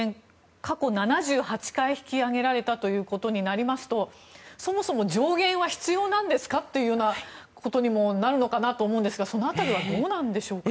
過去７８回引き上げられたということになりますとそもそも上限は必要なんですかということにもなるのかなと思うんですがその辺りはどうなんでしょうか。